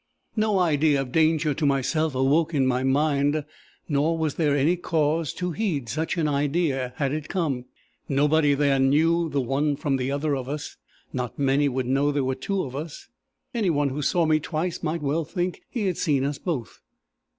"No idea of danger to myself awoke in my mind, nor was there any cause to heed such an idea, had it come. Nobody there knew the one from the other of us. Not many would know there were two of us. Any one who saw me twice, might well think he had seen us both.